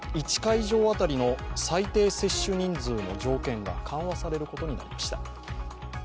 １会場当たりの最低接種人数の条件が緩和されることになりました。